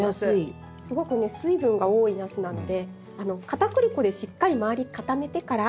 すごくね水分が多いナスなのでかたくり粉でしっかり周り固めてから。